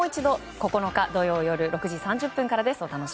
９日土曜夜６時３０分からです。